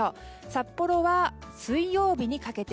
札幌は、水曜日にかけて。